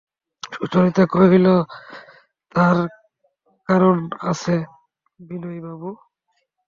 সুচরিতা কহিল, তার কারণ আছে বিনয়বাবু!